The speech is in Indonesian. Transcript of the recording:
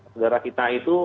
negara kita itu